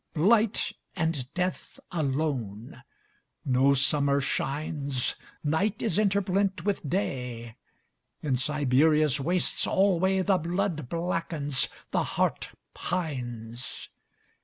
Blight and death alone.No summer shines. Night is interblent with Day.In Siberia's wastes alwayThe blood blackens, the heart pines.